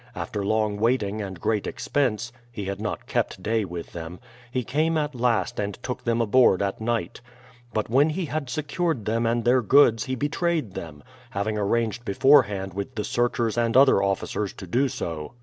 After long waiting 9 10 BRADFORD'S HISTORY OF and great expense — ^he had not kept day with them — he came at last and took them aboard at night. But when he had secured them and their goods he betrayed them, having arranged beforehand with the searchers and other officers to do so.